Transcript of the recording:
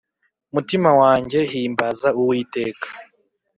Mutima wanjye himbaza uwiteka